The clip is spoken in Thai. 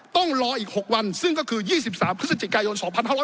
ต้องรออีก๖วันซึ่งก็คือ๒๓พฤศจิกายน๒๕๖๐